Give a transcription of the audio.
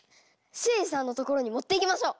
シエリさんの所に持っていきましょう！